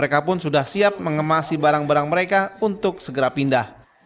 pemakai api tersebut juga sudah siap mengemasi barang barang mereka untuk segera pindah